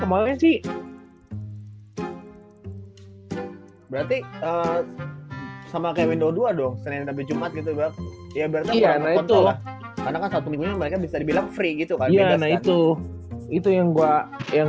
jumat gitu ya berarti karena itu karena bisa dibilang free gitu ya nah itu itu yang gua yang